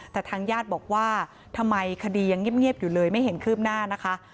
แต่ทางญาติบอกว่าทำไมคดียังเงียบอยู่เลยไม่เห็นคืบหน้านะคะ